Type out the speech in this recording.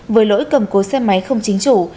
với lỗi cầm cố xe máy không chính chủ